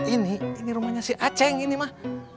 ini ini rumahnya si aceh ini mah